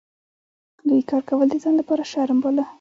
دوی کار کول د ځان لپاره شرم باله.